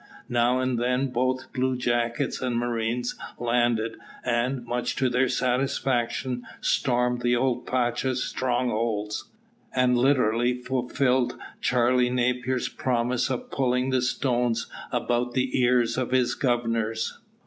Now and then both bluejackets and marines landed, and, much to their satisfaction, stormed the old pacha's strongholds, and literally fulfilled Charley Napier's promise of pulling the stones about the ears of his governors.